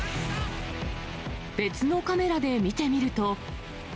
別のカメラで見てみると。